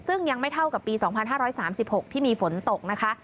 ซึ่งยังไม่เท่ากับปี๒๕๓๖ที่มีฝนตกนะคะ